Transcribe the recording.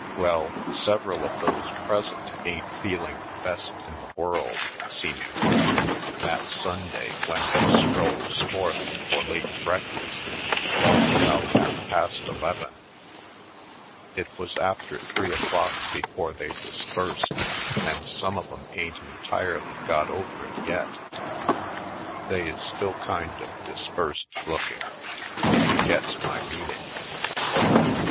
Well, several of those present ain't feeling the best in the world, seemingly, that Sunday when they strolls forth for late breakfast 'long about half past eleven. It was after three o'clock before they dispersed and some of 'em ain't entirely got over it yet — they is still kind of dispersed looking, if you gets my meaning.